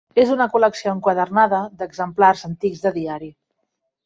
És una col·lecció enquadernada d'exemplars antics de diari.